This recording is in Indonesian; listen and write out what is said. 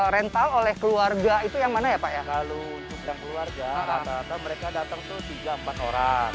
rental oleh keluarga itu yang mana ya pak ya kalau keluarga atau mereka datang tuh tiga puluh empat orang